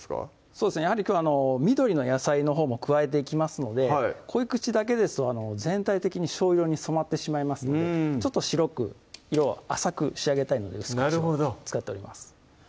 そうですねやはりきょう緑の野菜のほうも加えていきますので濃い口だけですと全体的にしょうゆ色に染まってしまいますのでちょっと白く色を浅く仕上げたいので薄口を使っております